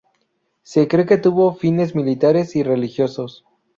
Se cree que tuvo fines militares y religiosos.